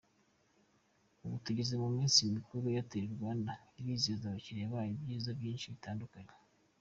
Ubu tugeze mu minsi mikuru, Airtel Rwanda irizeza abakiliya bayo ibyiza byinshi bitandukanye!.